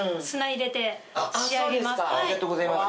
ありがとうございます。